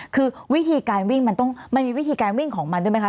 คือวิธีการวิ่งมันต้องมันมีวิธีการวิ่งของมันด้วยไหมคะ